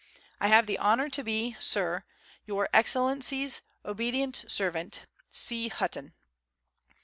I have the honour to be, Sir, Your Excellency's obedient servant, C. HUTTON.